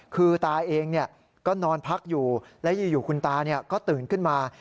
คือตาเองก็นอนพักอยู่แล้วอยู่คุณตาก็ตื่นขึ้นมา